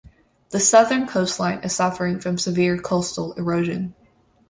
The southern coastline is suffering from severe coastal erosion.